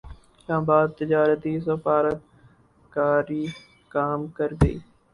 اسلام اباد تجارتی سفارت کاری کام کرگئی